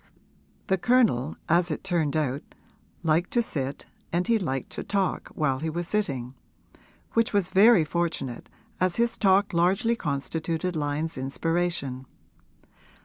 The Colonel, as it turned out, liked to sit and he liked to talk while he was sitting: which was very fortunate, as his talk largely constituted Lyon's inspiration.